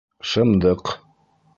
Шымдыҡ!